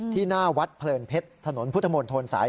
ที่หน้าวัดเผลินเพชรถนนพุทธมนต์โทนสาย๕